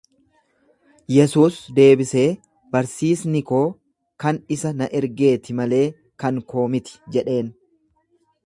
Yesuus deebisee, Barsiisni koo kan isa na ergeetii malee kan koo miti jedheen.